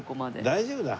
大丈夫だよ